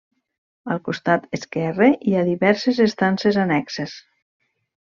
Al costat esquerre hi ha diverses estances annexes.